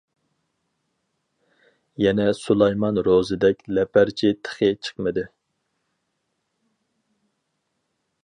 يەنە سۇلايمان روزىدەك لەپەرچى تېخى چىقمىدى.